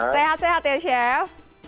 sehat sehat ya chef